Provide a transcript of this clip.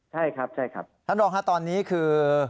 ใช่ครับใช่ครับท่านรองครับตอนนี้คือ